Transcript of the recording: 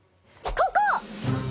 ここ！